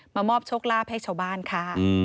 มอบโชคลาภให้ชาวบ้านค่ะ